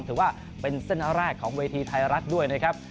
ถือว่าเป็นเส้นแรกของเวทีไทยรัฐด้วยนะครับ